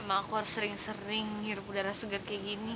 emang aku harus sering sering ngirup udara segar kayak gini